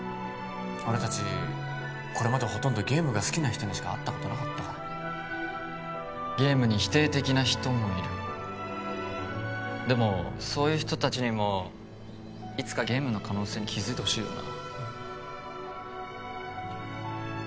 俺達これまでほとんどゲームが好きな人にしか会ったことなかったからゲームに否定的な人もいるでもそういう人達にもいつかゲームの可能性に気づいてほしいよな